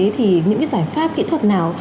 thì những cái giải pháp kỹ thuật nào